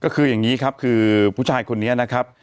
ก็คืออย่างนี้ครับคือผู้ชายคนนี้นะครับ